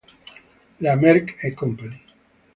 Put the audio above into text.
La Merck e Co.